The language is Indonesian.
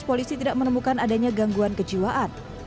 polisi tidak menemukan adanya gangguan kejiwaan